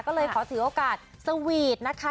ก็เลยขอถือโอกาสสวีทนะคะ